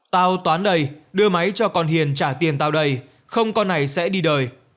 tao toán đây đưa máy cho con hiền trả tiền tao đây không con này sẽ đi đời